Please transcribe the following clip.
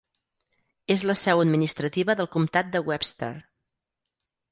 És la seu administrativa del comtat de Webster.